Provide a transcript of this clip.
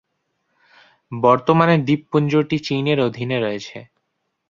বর্তমানে দ্বীপপুঞ্জটি চীন এর অধীনে রয়েছে।